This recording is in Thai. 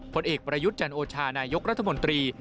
ผลเอกประยุทธ์จันโอชานายกรัฐมนตรี